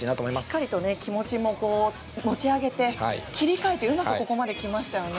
しっかりと気持ちも持ち上げて切り替えてうまくここまで来ましたよね。